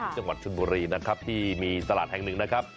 จังหวัดชนบุรีนะครับที่มีตลาดแห่งหนึ่งนะครับ